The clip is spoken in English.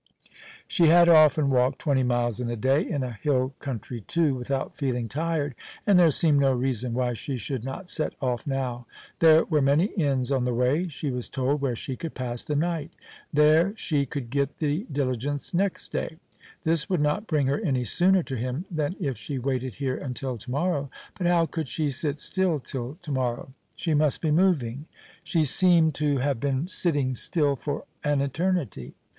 She had often walked twenty miles in a day, in a hill country too, without feeling tired, and there seemed no reason why she should not set off now. There were many inns on the way, she was told, where she could pass the night. There she could get the diligence next day. This would not bring her any sooner to him than if she waited here until to morrow; but how could she sit still till to morrow? She must be moving; she seemed to have been sitting still for an eternity.